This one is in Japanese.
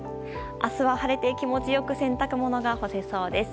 明日は晴れて気持ちよく洗濯物が干せそうです。